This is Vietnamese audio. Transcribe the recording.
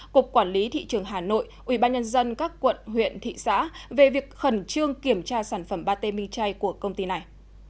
cục quản lý thị trường hà nội ubnd các quận huyện thị xã về việc khẩn trương kiểm tra sản phẩm pate minh chay của công ty này